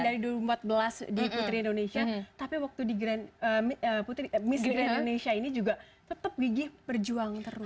saya lagi dari empat belas di putri indonesia tapi waktu di miss grand indonesia ini juga tetap gigih berjuang terus